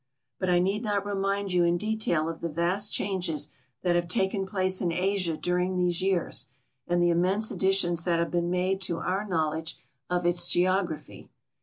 Ikit I need not reniin«l you in detail of the vast changes that have taken place in Asia dur ing these years and the immense additions that have been made to our knowledge of its geography.